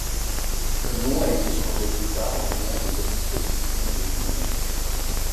Le nom a été changé plus tard en l'honneur de l'expédition des Milles.